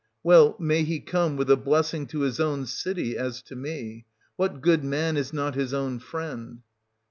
Well, may he come with a blessing to his own city, as to me !— What good man is not his own friend